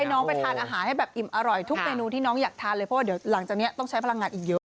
น้องไปทานอาหารให้แบบอิ่มอร่อยทุกเมนูที่น้องอยากทานเลยเพราะว่าเดี๋ยวหลังจากนี้ต้องใช้พลังงานอีกเยอะ